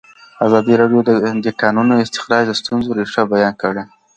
ازادي راډیو د د کانونو استخراج د ستونزو رېښه بیان کړې.